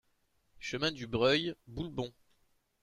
Chemin du Breuil, Boulbon